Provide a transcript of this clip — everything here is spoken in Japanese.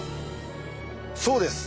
そうです！